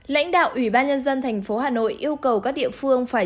lãnh đạo ủy ban nhân dân tp hà nội yêu cầu các địa phương phải